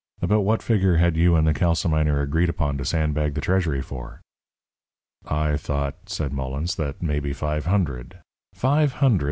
About what figure had you and the calciminer agreed upon to sandbag the treasury for?" "I thought," said Mullens, "that maybe five hundred " "Five hundred!"